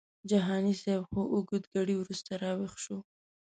جهاني صاحب ښه اوږد ګړی وروسته راویښ شو.